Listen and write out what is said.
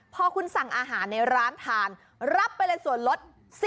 พอคุณสั่งอาหารในร้านทานรับไปเลยส่วนลด